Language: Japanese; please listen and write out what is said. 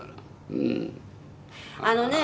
あのね